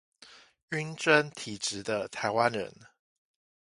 暈針體質的台灣人